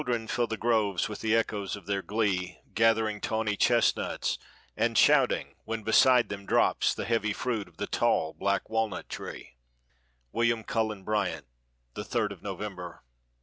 Children fill the groves with the echoes of their glee, Gathering tawny chestnuts, and shouting when beside them Drops the heavy fruit of the tall black walnut tree. —William Cullen Bryant: "The Third of November."